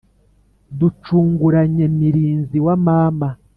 ducunguranye mirinzi wa mama.